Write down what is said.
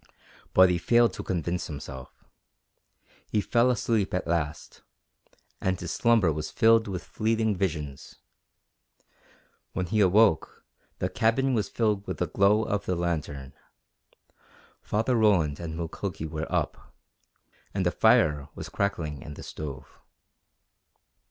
But he failed to convince himself. He fell asleep at last, and his slumber was filled with fleeting visions. When he awoke the cabin was filled with the glow of the lantern. Father Roland and Mukoki were up, and a fire was crackling in the stove.